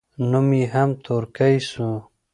نوم يې هم تورکى سو.